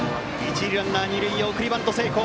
一塁ランナー、二塁へ送りバント成功。